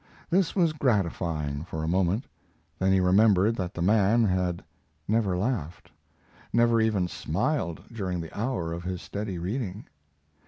This was gratifying for a moment; then he remembered that the man had never laughed, never even smiled during the hour of his steady reading.